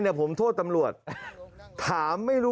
แล้วผมก็ไม่ถ้าการไหน